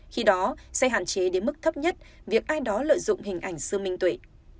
khi đó sẽ hạn chế đến mức thấp nhất việc ai đó lợi dụng hình ảnh sư minh tuổi